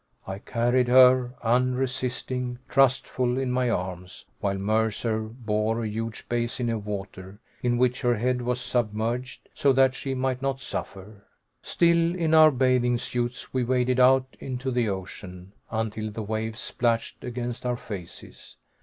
I carried her, unresisting, trustful, in my arms, while Mercer bore a huge basin of water, in which her head was submerged, so that she might not suffer. Still in our bathing suits we waded out into the ocean, until the waves splashed against our faces.